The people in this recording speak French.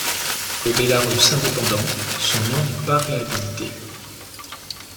Au Bélarus indépendant, son nom n'est pas réhabilité.